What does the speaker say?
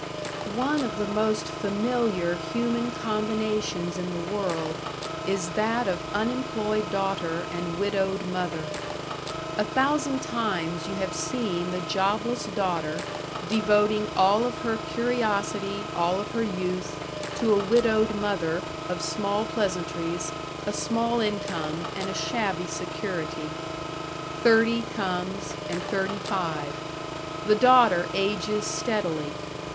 One of the most familiar human combinations in the world is that of unemployed daughter and widowed mother. A thousand times you have seen the jobless daughter devoting all of her curiosity, all of her youth, to a widowed mother of small pleasantries, a small income, and a shabby security. Thirty comes, and thirty five. The daughter ages steadily.